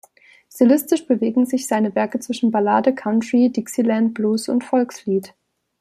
Stilistisch bewegen sich seine Werke zwischen Ballade, Country, Dixieland, Blues und Volkslied.